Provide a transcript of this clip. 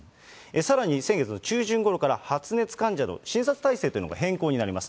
さらに、先月の中旬ごろから、発熱患者の診察体制というのが変更になります。